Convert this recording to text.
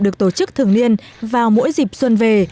được tổ chức thường niên vào mỗi dịp xuân về